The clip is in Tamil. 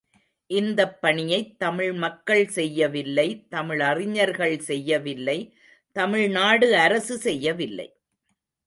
இந்தப் பணியைத் தமிழ் மக்கள் செய்யவில்லை தமிழறிஞர்கள் செய்யவில்லை தமிழ்நாடு அரசு செய்யவில்லை.